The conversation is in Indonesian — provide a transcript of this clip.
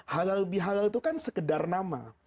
halal bihalal itu kan sekedar nama